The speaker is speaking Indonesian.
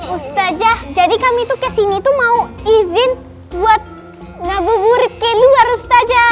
ustazah jadi kami tuh kesini tuh mau izin buat ngeburit ke luar ustazah